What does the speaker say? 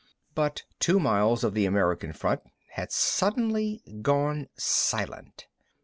But two miles of the American front had suddenly gone silent.